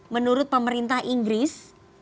menurut pemerintah inggris